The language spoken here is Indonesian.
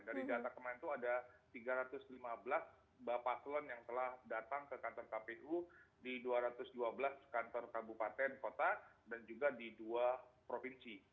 dari data kemarin itu ada tiga ratus lima belas bapak selon yang telah datang ke kantor kpu di dua ratus dua belas kantor kabupaten kota dan juga di dua provinsi